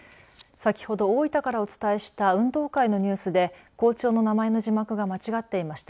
先ほど大分からお伝えした運動会のニュースで校長の名前の字幕が間違っていました。